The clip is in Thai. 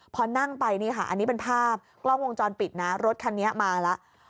พอนั่งไปนี่ค่ะอันนี้เป็นภาพกล้องวงจรปิดนะรถคันนี้มาแล้ว